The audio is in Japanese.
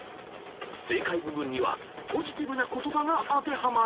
［正解部分にはポジティブな言葉が当てはまる］